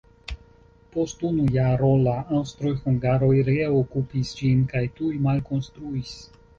Post unu jaro la aŭstroj-hungaroj reokupis ĝin kaj tuj malkonstruis.